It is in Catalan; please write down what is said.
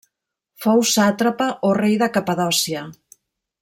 Fou sàtrapa o rei de Capadòcia.